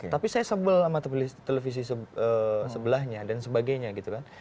tapi saya sebel sama televisi sebelahnya dan sebagainya gitu kan